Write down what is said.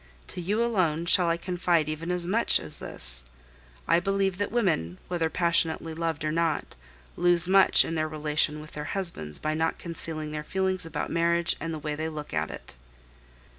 To you alone shall I confide even as much as this. I believe that women, whether passionately loved or not, lose much in their relation with their husbands by not concealing their feelings about marriage and the way they look at it.